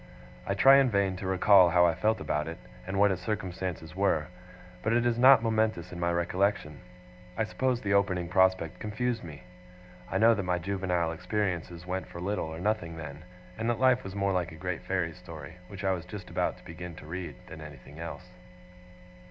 I try in vain to recall how I felt about it, and what its circumstances were; but it is not momentous in my recollection. I suppose the opening prospect confused me. I know that my juvenile experiences went for little or nothing then; and that life was more like a great fairy story, which I was just about to begin to read, than anything else.